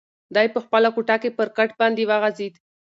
دی په خپله کوټه کې پر کټ باندې وغځېد.